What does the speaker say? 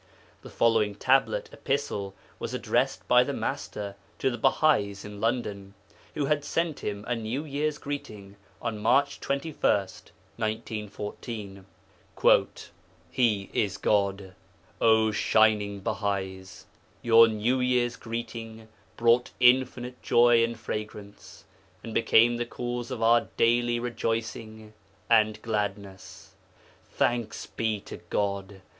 The following Tablet (Epistle) was addressed by the Master to the Bahais in London, who had sent Him a New Year's greeting on March 21, 1914: 'HE IS GOD! 'O shining Bahais! Your New Year's greeting brought infinite joy and fragrance, and became the cause of our daily rejoicing and gladness. 'Thanks be to God!